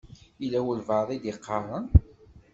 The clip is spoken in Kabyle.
Yella walebɛaḍ i d-iɣaṛen.